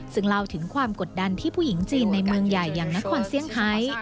ซึ่งเล่าถึงความกดดันที่ผู้หญิงจีนในเมืองใหญ่อย่างนครเซี่ยงไฮ